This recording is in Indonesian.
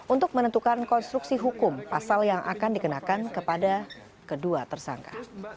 untuk menentukan konstruksi hukum pasal yang akan dikenakan kepada kedua tersangka